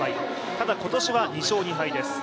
ただ今年は２勝２敗です。